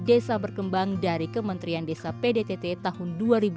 desa berkembang dari kementerian desa pdtt tahun dua ribu sembilan belas